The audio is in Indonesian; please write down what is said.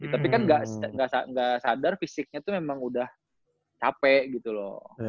tapi kan nggak sadar fisiknya tuh memang udah capek gitu loh